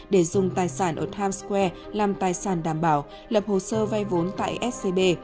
để dùng tài sản ở times square làm tài sản đảm bảo lập hồ sơ vay vốn tại scb